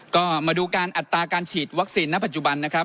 ก็มาดูการอัตราการฉีดวัคซีนณปัจจุบันนะครับ